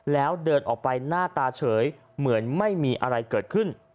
แล้วเดินออกไปหน้าตาเฉยเหมือนไม่มีอะไรเกิดขึ้น